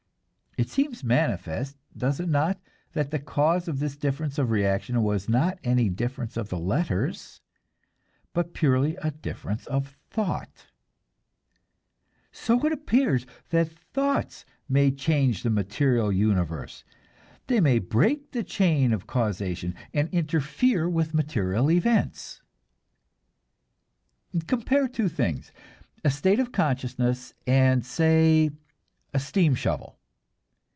It seems manifest, does it not, that the cause of this difference of reaction was not any difference of the letters, but purely a difference of thought? So it appears that thoughts may change the material universe; they may break the chain of causation, and interfere with material events. Compare the two things, a state of consciousness and say, a steam shovel.